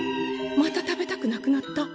また食べたくなくなった。